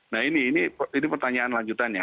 nah ini pertanyaan lanjutannya